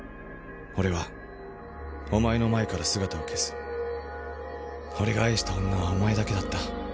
「俺はおまえの前から姿を消す」「俺が愛した女はおまえだけだった」